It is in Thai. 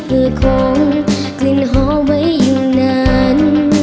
เพื่อทรงกลิ่นหอมไว้อยู่นั้น